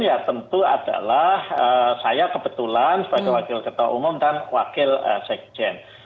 ya tentu adalah saya kebetulan sebagai wakil ketua umum dan wakil sekjen